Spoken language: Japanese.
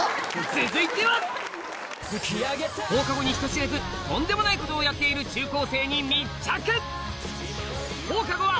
続いては放課後に人知れずとんでもないことをやっている中高生に密着！